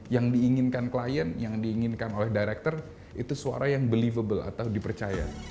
yang diinginkan klien yang diinginkan oleh director itu suara yang believable atau dipercaya